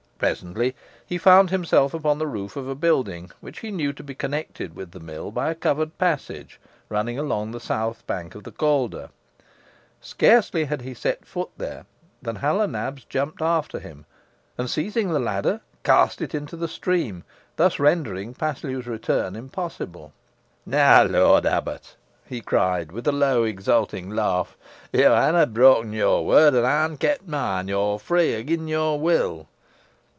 Presently he found himself upon the roof of a building, which he knew to be connected with the mill by a covered passage running along the south bank of the Calder. Scarcely had he set foot there, than Hal o' Nabs jumped after him, and, seizing the ladder, cast it into the stream, thus rendering Paslew's return impossible. "Neaw, lort abbut," he cried, with a low, exulting laugh, "yo hanna brok'n yor word, an ey'n kept moine. Yo're free agen your will."